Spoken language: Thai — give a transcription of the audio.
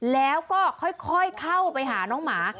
แล้วก็ค่อยเข้าไปหาน้องหมา